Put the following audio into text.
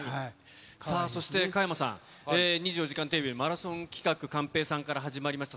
そして加山さん、２４時間テレビマラソン企画、寛平さんから始まりました。